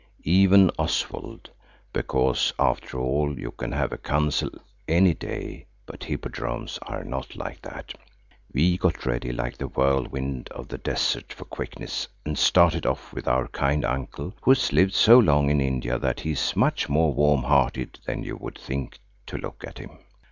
Even Oswald–because after all you can have a council any day, but Hippodromes are not like that. We got ready like the whirlwind of the desert for quickness, and started off with our kind uncle, who has lived so long in India that he is much more warm hearted than you would think to look at him.